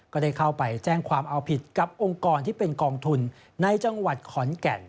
ก็ได้เข้าไปแจ้งความเอาผิดกับองค์กรที่เป็นกองทุนในจังหวัดขอนแก่น